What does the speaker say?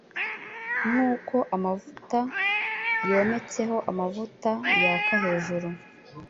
Nkuko amavuta yometseho amavuta yaka hejuru